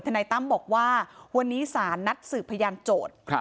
นายตั้มบอกว่าวันนี้สารนัดสืบพยานโจทย์